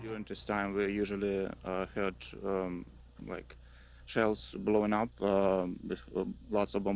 biasanya saya mendengar tempat yang terlalu banyak bom